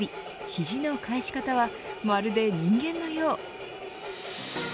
肘の返し方はまるで人間のよう。